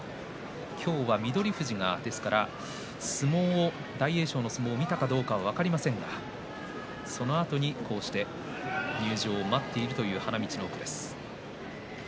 今日は翠富士が大栄翔の相撲を見たかどうかは分かりませんがそのあとに、こうして入場を待っているという花道の奥です。